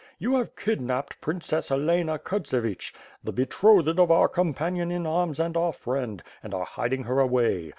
You have kidnapped princess Helena Kurtsevich, the betrothed of our companion in arms and our friend, and are hiding her away.